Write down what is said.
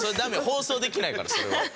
放送できないからそれは。